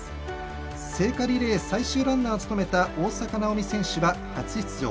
聖火リレー最終ランナーを務めた大坂なおみ選手は初出場。